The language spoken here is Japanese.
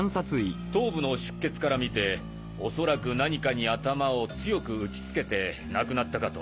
頭部の出血から見て恐らく何かに頭を強く打ちつけて亡くなったかと。